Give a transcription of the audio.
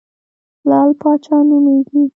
لعل پاچا نومېږم.